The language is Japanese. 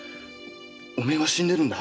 お前は死んでるんだ。